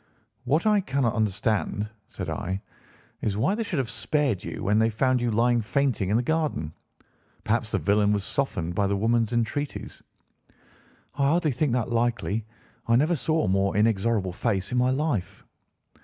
"What I cannot understand," said I, "is why they should have spared you when they found you lying fainting in the garden. Perhaps the villain was softened by the woman's entreaties." "I hardly think that likely. I never saw a more inexorable face in my life."